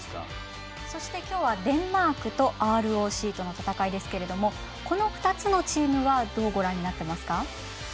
そして、きょうはデンマークとＲＯＣとの戦いですけれどもこの２つのチームはどうご覧になってますか？